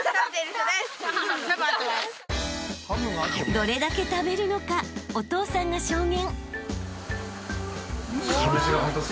［どれだけ食べるのかお父さんが証言］